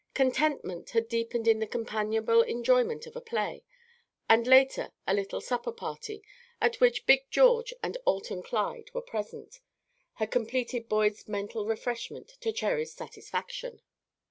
Contentment had deepened in the companionable enjoyment of a play, and later a little supper party, at which Big George and Alton Clyde were present, had completed Boyd's mental refreshment, to Cherry's satisfaction.